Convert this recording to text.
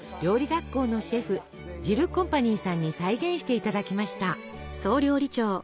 学校のシェフジルコンパニーさんに再現していただきました。